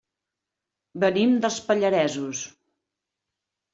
Venim dels Pallaresos.